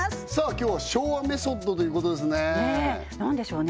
今日は昭和メソッドということですね何でしょうね